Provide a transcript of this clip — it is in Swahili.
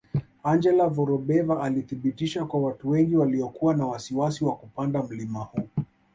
Angela Vorobeva alithibitisha kwa watu wengi waliokuwa na wasiwasi wa kupanda mlima huu